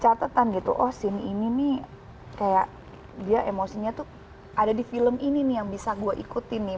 catatan gitu oh sini ini nih kayak dia emosinya tuh ada di film ini nih yang bisa gue ikutin nih